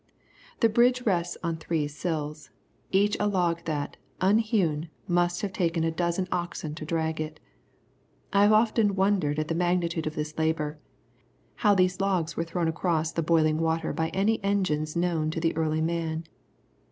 The bridge rests on three sills, each a log that, unhewn, must have taken a dozen oxen to drag it. I have often wondered at the magnitude of this labour; how these logs were thrown across the boiling water by any engines known to the early man.